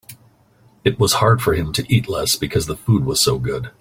It was hard for him to eat less because the food was so good.